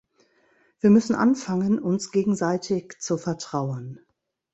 Wir müssen anfangen, uns gegenseitig zu vertrauen.